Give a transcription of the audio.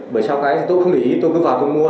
bởi sau cái tôi không nghĩ tôi cứ vào tôi mua